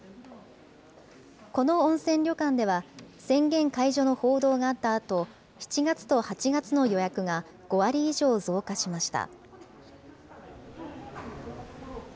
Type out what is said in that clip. この温泉旅館では、宣言解除の報道があったあと、７月と８月の予約が５割以上増加しました。